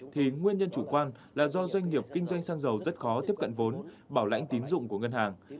thì nguyên nhân chủ quan là do doanh nghiệp kinh doanh xăng dầu rất khó tiếp cận vốn bảo lãnh tín dụng của ngân hàng